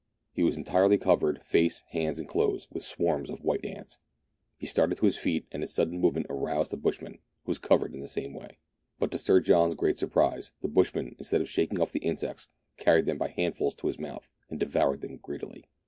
He was entirely covered, face, hands, and clothes, with swarms of white ants. He started to his feet, and his sudden movement aroused the bushman, who was covered in the same way. But to Sir John's great surprise, the bushman, instead of shaking off the insects, carried them by handfuls to his mouth, and devoured them greedily.